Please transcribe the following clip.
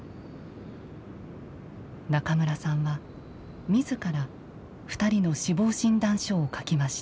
中村さんはみずから２人の死亡診断書を書きました。